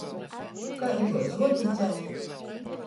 Kai ituos zuolis dzert?